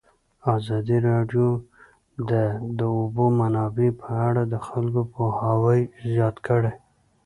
ازادي راډیو د د اوبو منابع په اړه د خلکو پوهاوی زیات کړی.